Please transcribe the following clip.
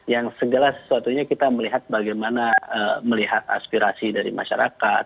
yang segala sesuatunya kita melihat bagaimana melihat aspirasi dari masyarakat